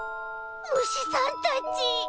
むしさんたち。